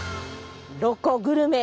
ロコグルメ